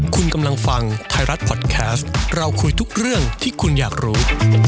คุณกำลังฟังไทยรัฐพอดแคสต์เราคุยทุกเรื่องที่คุณอยากรู้